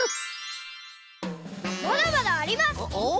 まだまだあります！